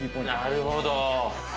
なるほど。